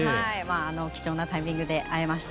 貴重なタイミングで会えました。